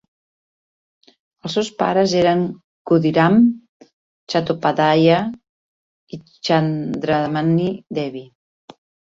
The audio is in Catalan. Els seus pares eren Khudiram Chattopadhyay i Chandramani Devi.